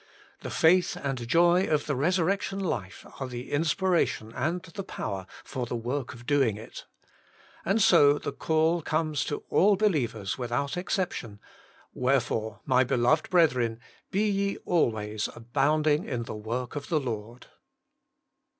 The faith and joy of the resurrection Ufe are the inspiration and the power for the work of doing it. And so the call comes to all be lievers without exception :' Wherefore, my beloved brethren, be ye always abound ing in the work of the Lord